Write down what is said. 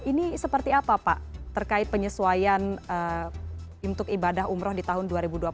ini seperti apa pak terkait penyesuaian untuk ibadah umroh di tahun dua ribu dua puluh